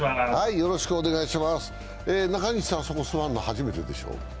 中西さん、そこに座るの初めてでしょ？